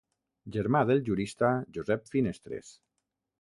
Germà del jurista Josep Finestres.